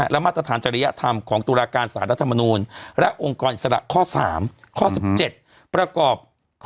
และมาตรฐานจริยธรรมของตุลาการสารรัฐมนูลและองค์กรอิสระข้อ๓ข้อ๑๗ประกอบ